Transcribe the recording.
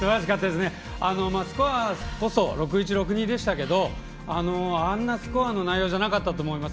スコアこそ６−１、６−２でしたけどあんなスコアの内容じゃなかったと思います。